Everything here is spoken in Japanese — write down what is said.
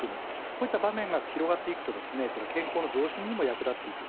こういった場面が広がっていくと健康の増進にも役立っていく。